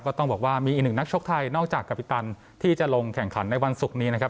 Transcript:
ก็ต้องบอกว่ามีอีกหนึ่งนักชกไทยนอกจากกาปิตันที่จะลงแข่งขันในวันศุกร์นี้นะครับ